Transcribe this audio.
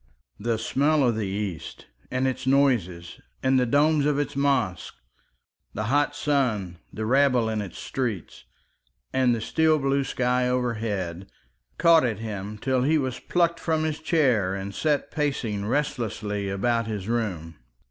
The smell of the East and its noises and the domes of its mosques, the hot sun, the rabble in its streets, and the steel blue sky overhead, caught at him till he was plucked from his chair and set pacing restlessly about his room.